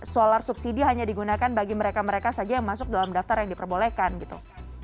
solar subsidi hanya digunakan bagi mereka mereka saja yang masuk dalam daftar yang diperbolehkan gitu